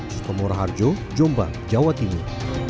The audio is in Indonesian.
sutomora harjo jombang jawa timur